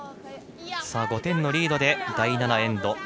５点リードで第７エンド。